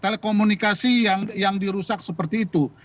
telekomunikasi yang dirusak seperti itu